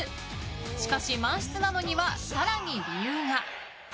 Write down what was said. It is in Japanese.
しかし、満室なのには更に理由が。